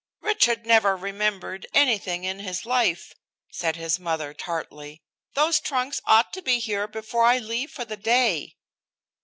"Richard never remembered anything in his life," said his mother tartly. "Those trunks ought to be here before I leave for the day."